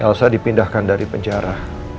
elsa dipindahkan dari penjara